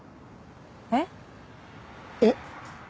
えっ？えっ？